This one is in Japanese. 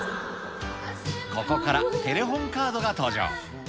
ここからテレホンカードが登場。